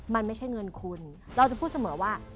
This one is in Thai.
มันไม่ใช่เงินคุณเราจะพูดเสมอว่า